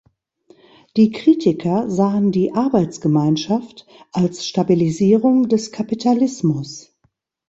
Die Kritiker sahen die Arbeitsgemeinschaft als Stabilisierung des Kapitalismus.